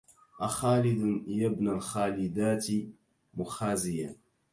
أخالد يا ابن الخالدات مخازيا